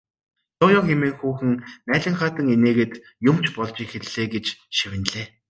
Ёо ёо хэмээн хүүхэн наалинхайтан инээгээд юм ч болж эхэллээ гэж шивнэлээ.